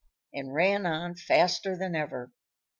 and ran on faster than ever.